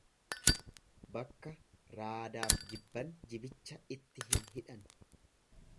Bakka raadaaf jibban jibicha itti hin hidhan.